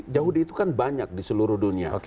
yahudi itu kan banyak di seluruh dunia